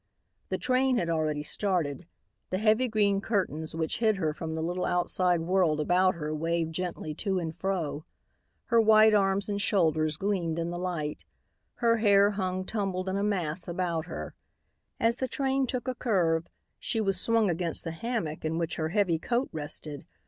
The train had already started. The heavy green curtains which hid her from the little outside world about her waved gently to and fro. Her white arms and shoulders gleamed in the light. Her hair hung tumbled in a mass about her. As the train took a curve, she was swung against the hammock in which her heavy coat rested.